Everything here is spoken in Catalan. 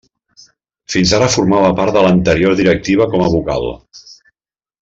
Fins ara, formava part de l'anterior directiva com a vocal.